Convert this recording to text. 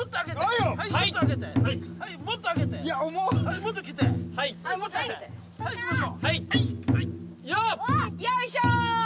よいしょ！